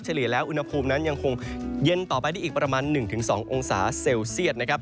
เลียแล้วอุณหภูมินั้นยังคงเย็นต่อไปได้อีกประมาณ๑๒องศาเซลเซียตนะครับ